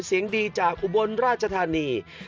เสียงดีจากอุบลราชธานี